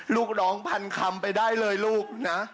ลูกร้องพันคำไปได้เลยลูกนะ